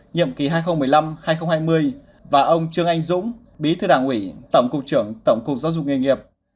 nhiệm kỳ hai nghìn một mươi năm hai nghìn hai mươi và ông trương anh dũng bí thư đảng ủy tổng cục trưởng tổng cục giáo dục nghề nghiệp